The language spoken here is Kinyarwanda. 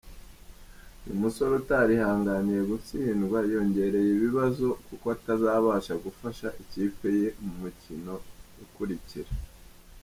Uyu musore utarihanganiye gutsindwa yiyongereye Ibibazo kuko atazabasha gufasha ikipe ye mu mikino ikurikira.